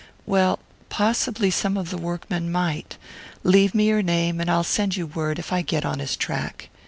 "Well, possibly some of the workmen might. Leave me your name and I'll send you word if I get on his track."